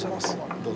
どうぞ。